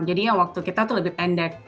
jadi ya waktu kita itu lebih pendek